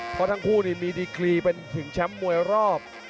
เพราะทั้งคู่มีดีกรีเป็นถึงแชมป์มวยรอบ